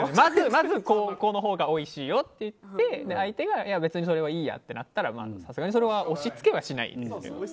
まず、このほうがおいしいよって言って相手が別にそれはいいやってなったらさすがに押しつけはしないです。